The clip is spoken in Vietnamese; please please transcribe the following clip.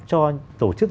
cho tổ chức